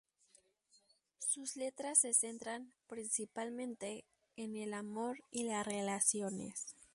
Sus letras se centran, principalmente, en el amor y las relaciones.